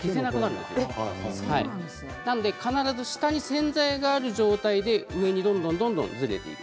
だから必ず下に洗剤がある状態で上にどんどんずれていく。